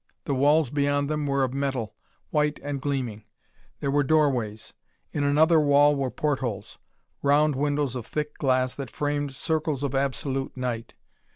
The walls beyond them were of metal, white and gleaming; there were doorways. In another wall were portholes round windows of thick glass that framed circles of absolute night.